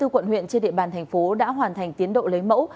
hai mươi quận huyện trên địa bàn thành phố đã hoàn thành tiến độ lấy mẫu